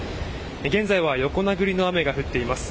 現在は横殴りの雨が降っています。